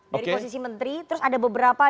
dari posisi menteri terus ada beberapa